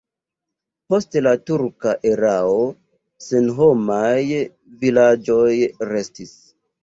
Post la turka erao senhomaj vilaĝoj restis.